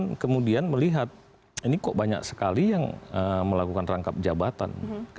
nah om budsman kemudian melihat ini kok banyak sekali yang melakukan rangkap jabatan